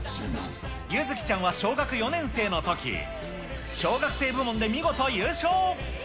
柚月ちゃんは小学４年生のとき、小学生部門で見事優勝。